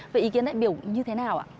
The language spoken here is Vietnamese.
vậy ý kiến đại biểu như thế nào